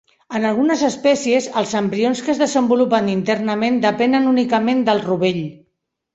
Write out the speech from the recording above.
En algunes espècies, els embrions que es desenvolupen internament depenen únicament del rovell.